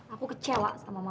aku kecewa sama mama